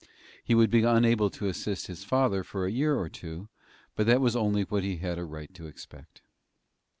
He would be unable to assist his father for a year or two; but that was only what he had a right to expect.